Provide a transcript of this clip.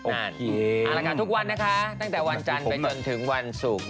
เอาละค่ะทุกวันนะคะตั้งแต่วันจันทร์ไปจนถึงวันศุกร์